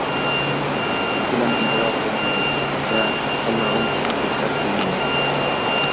پىلان ئىجرا قىلىنىدۇ ۋە تاللانغان كىشى بىر تەرەپ قىلىنىدۇ.